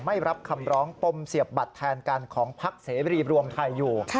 ไม่รับคำร้องปมเสียบบัตรแทนกันของพักเสรีรวมไทยอยู่